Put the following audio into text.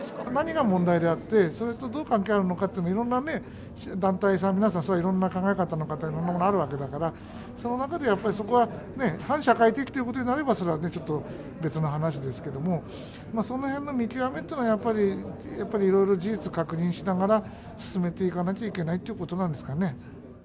何が問題であって、それとどう関係あるのかっていう、いろんな団体さん、いろんな考え方の方あるわけだから、その中でやっぱり、そこは反社会的ということになれば、それはちょっとね、別の話ですけども、そのへんの見極めっていうのは、やっぱりやっぱり、いろいろ事実確認しながら、進めていかなきゃいけないということなんですかね。